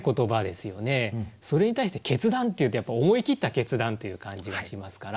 それに対して「決断」っていうとやっぱ思い切った決断という感じがしますから。